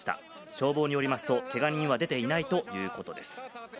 消防によりますと、けがには出ていないということです。